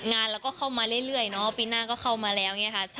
งานเราก็เข้ามาเรื่อยเนาะปีหน้าก็เข้ามาแล้วอย่างนี้ค่ะ